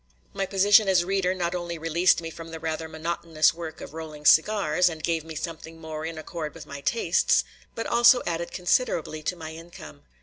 My position as "reader" not only released me from the rather monotonous work of rolling cigars, and gave me something more in accord with my tastes, but also added considerably to my income.